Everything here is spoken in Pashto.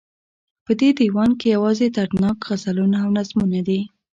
په دې ديوان کې يوازې دردناک غزلونه او نظمونه دي